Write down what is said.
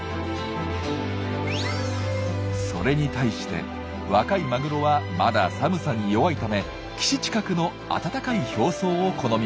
それに対して若いマグロはまだ寒さに弱いため岸近くの温かい表層を好みます。